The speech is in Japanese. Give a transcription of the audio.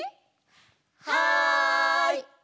はい！